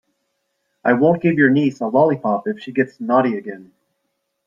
I won't give your niece a lollipop if she gets naughty again.